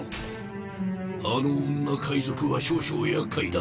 あの女海賊は少々厄介だ。